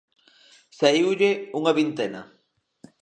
Saíulle unha vintena.